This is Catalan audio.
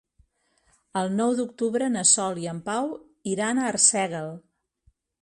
El nou d'octubre na Sol i en Pau iran a Arsèguel.